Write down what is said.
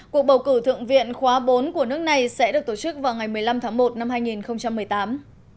cuộc bầu cử thượng viện khóa bốn của nước này sẽ được tổ chức vào ngày một mươi năm tháng một năm hai nghìn một mươi tám